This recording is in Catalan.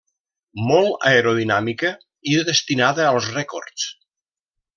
Molt aerodinàmica i destinada als rècords.